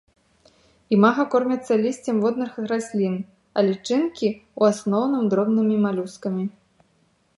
Імага кормяцца лісцем водных раслін, а лічынкі ў асноўным дробнымі малюскамі.